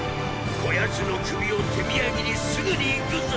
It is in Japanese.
こ奴の首を手土産にすぐに行くぞィ！